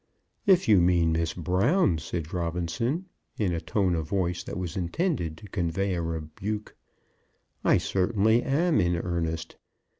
"If you mean Miss Brown," said Robinson, in a tone of voice that was intended to convey a rebuke, "I certainly am in earnest.